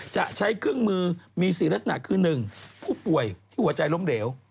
จะใช้เครื่องมือมี๔ลักษณะคือ๑ผู้ป่วยที่หัวใจล้มเหลว